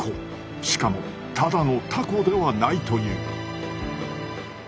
しかもただのタコではないという。